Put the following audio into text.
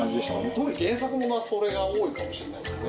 特に原作ものはそれが多いかもしれないですね。